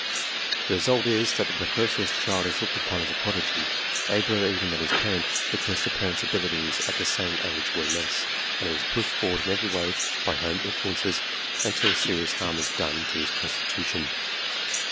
The result is, that the precocious child is looked upon as a prodigy, abler even than his parent, because the parent's abilities at the same age were less, and he is pushed forward in every way by home influences, until serious harm is done to his constitution.